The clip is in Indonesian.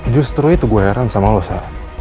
justru itu gue heran sama lo sa